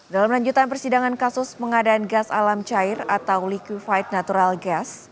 dalam lanjutan persidangan kasus pengadaan gas alam cair atau liquified natural gas